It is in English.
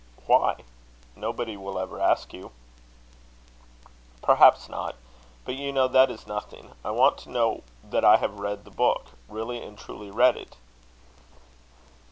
"Why? Nobody will ever ask you." "Perhaps not; but you know that is nothing. I want to know that I have read the book really and truly read it."